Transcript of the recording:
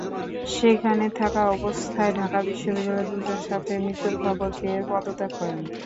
সেখানে থাকা অবস্থায় ঢাকা বিশ্ববিদ্যালয়ের দুজন ছাত্রের মৃত্যুর খবর পেয়ে পদত্যাগ করেন।